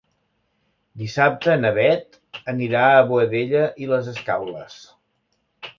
Dissabte na Beth anirà a Boadella i les Escaules.